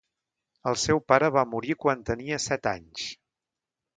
El seu pare va morir quan tenia set anys.